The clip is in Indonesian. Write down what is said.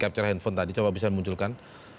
capture handphone tadi coba bisa munculkan